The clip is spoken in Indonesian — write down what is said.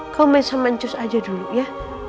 kau main sama ancus aja dulu ya